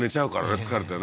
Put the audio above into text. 疲れてね